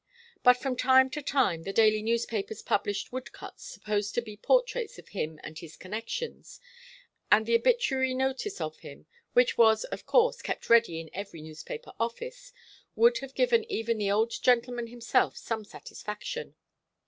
But from time to time the daily papers published wood cuts supposed to be portraits of him and his connections, and the obituary notice of him which was, of course, kept ready in every newspaper office would have given even the old gentleman himself some satisfaction.